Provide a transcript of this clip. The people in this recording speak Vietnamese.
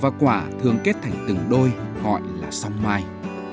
và quả thường kết thành từng đôi gọi là song mai